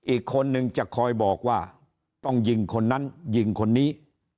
อีกคนนึงจะคอยบอกว่าต้องยิงคนนั้นยิงคนนี้